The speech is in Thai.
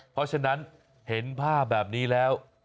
เพราะฉะนั้นเห็นภาพแบบนี้แล้ว